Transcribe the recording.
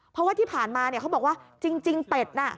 เพราะว่าที่ผ่านมาเนี่ยเขาบอกว่าจริงเป็ดน่ะ